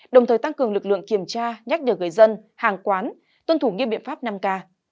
đồng thời tăng cường lực lượng kiểm tra nhắc nhở người dân hàng quán tuân thủ nghiêm biện pháp năm k